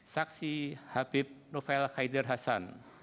saksi habib nufail haider hasan